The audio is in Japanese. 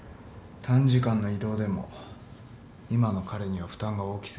短時間の移動でも今の彼には負担が大き過ぎる。